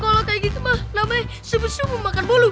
kalo kayak gitu mah namanya sumu sumu makan bolu